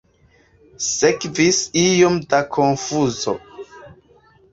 Sekvis iom da konfuzo.